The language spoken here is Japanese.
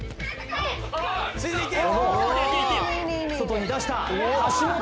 小野外に出した橋本！